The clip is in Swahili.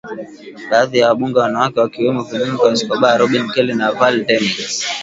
Baadhi ya wabunge wanawake wakiwemo Veronica Escobar Robin Kelly na Val Demings